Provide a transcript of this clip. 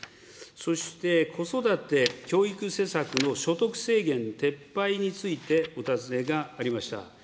そして、子育て教育施策の所得制限の撤廃についてお尋ねがありました。